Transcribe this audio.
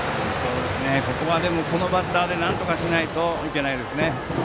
ここまでこのバッターでなんとかしないといけないですね。